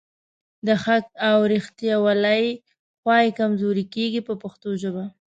د حق او ریښتیولۍ خوا یې کمزورې کیږي په پښتو ژبه.